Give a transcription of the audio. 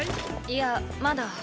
いやまだ。